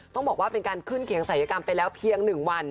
ต้องบอกว่าเป็นการขึ้นเกียงศัยกรรมไปแล้วเพียง๑วัน